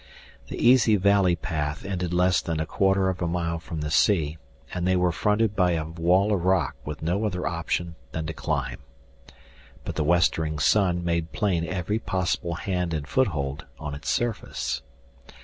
The easy valley path ended less than a quarter of a mile from the sea, and they were fronted by a wall of rock with no other option than to climb. But the westering sun made plain every possible hand and foot hold on its surface.